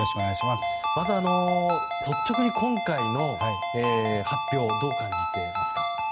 まず、率直に今回の発表どう感じていますか？